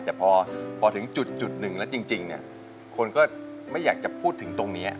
แต่พอถึงจุดหนึ่งแล้วจริงคนก็ไม่อยากจะพูดถึงตรงนี้